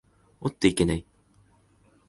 おっといけない。